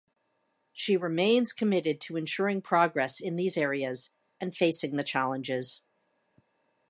She remains committed to ensuring progress in these areas and facing the challenges.